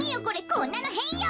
こんなのへんよ！